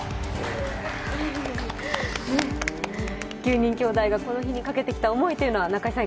９人きょうだいがこの日にかけてきた思い、中居さん